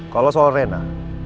kalau soal rina